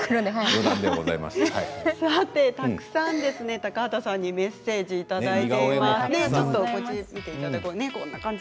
高畑さんに、たくさんメッセージをいただいています。